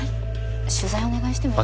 取材お願いしてもいいですか？